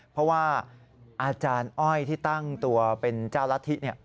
เพราะว่าอาจารย์อ้อยที่ตั้งตัวเป็นเจ้ารัฐธิ